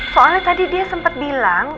soalnya tadi dia sempat bilang